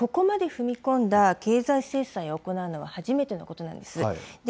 そうですね、スイスがここまで踏み込んだ経済制裁を行うのは初めてのことなんです。